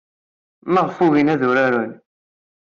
Maɣef ay ugin ad uraren?